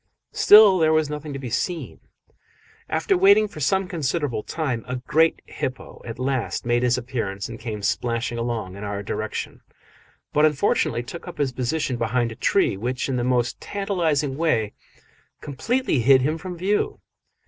Still there was nothing to be seen. After waiting for some considerable time, a great hippo at last made his appearance and came splashing along in our direction, but unfortunately took up his position behind a tree which, in the most tantalising way, completely hid him from view.